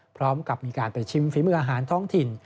พร้อมกับมีการไปชิมฝีมืออาหารท้องถิ่น